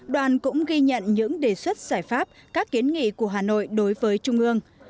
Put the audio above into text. đoàn cũng ghi nhận những đề xuất giải pháp các kiến nghị của hà nội đối với trung ương